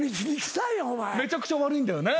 めちゃくちゃ悪いんだよね？